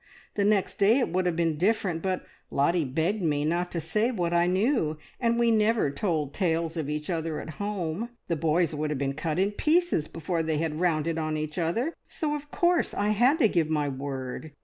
The next day it would have been different, but Lottie begged me not to say what I knew, and we never told tales of each other at home. The boys would have been cut in pieces before they had rounded on each other, so of course I had to give my word.